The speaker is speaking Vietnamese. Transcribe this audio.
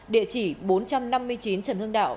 địa chỉ bốn trăm năm mươi chín trần hưng đạo